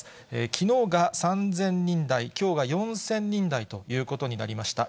きのうが３０００人台、きょうが４０００人台ということになりました。